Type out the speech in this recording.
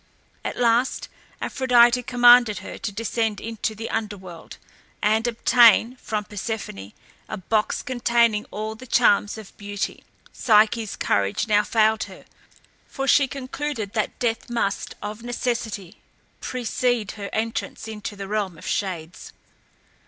At last Aphrodite commanded her to descend into the under world, and obtain from Persephone a box containing all the charms of beauty. Psyche's courage now failed her, for she concluded that death must of necessity precede her entrance into the realm of shades.